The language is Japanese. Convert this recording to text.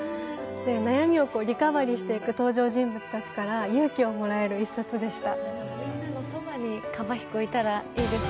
悩みをリカバリーしていく登場人物たちから勇気をもらえる一冊でした。